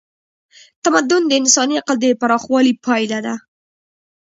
تمدن د انساني عقل د پراخوالي پایله ده.